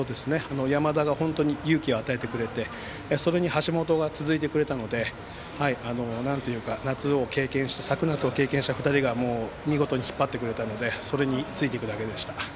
山田が本当に勇気を与えてくれてそれに橋本が続いてくれたので昨夏を経験した２人が見事引っ張ってくれたのでそれについていくだけでした。